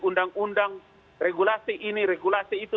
undang undang regulasi ini regulasi itu